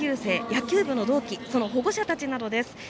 野球部の同期その保護者たちなどです。